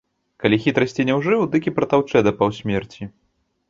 Калі хітрасці не ўжыў, дык і прытаўчэ да паўсмерці.